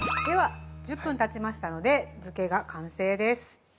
では、１０分たちましたので漬けが完成です。